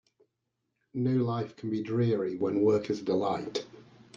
No life can be dreary when work is a delight.